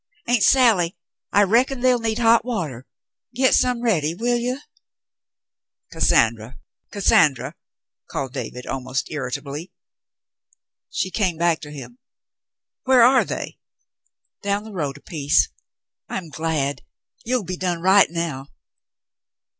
Aunt Sally, I reckon they'll need hot water. Get some ready, will you ?"" Cassandra, Cassandra !" called David, almost irritably. She came back to him. Where are they ? a ■ David Thryng Awakes 177 "Down the road a piece. I'm glad. You'll be done right now."